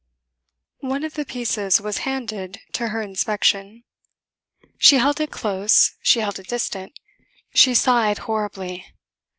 One of the pieces was handed to her inspection. She held it close, she held it distant. She sighed horribly.